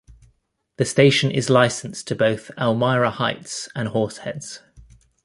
The station is licensed to both Elmira Heights and Horseheads.